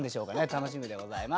楽しみでございます。